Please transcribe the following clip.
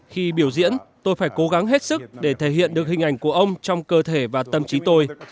khi biểu diễn tôi phải cố gắng hết sức để thể hiện được hình ảnh của ông trong cơ thể và tâm trí tôi